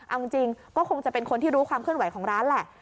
เอาจริงก็คงจะเป็นคนที่รู้ความเคลื่อนไหวของร้านแหละ